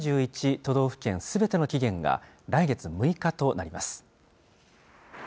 都道府県すべての期限が来月６日となります。